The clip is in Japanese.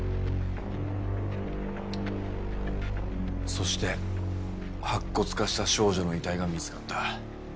そして白骨化した少女の遺体が見つかった。